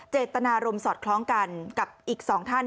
เจตนารมณ์สอดคล้องกันกับอีก๒ท่าน